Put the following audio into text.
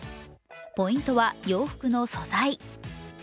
ポイントは洋服の素材。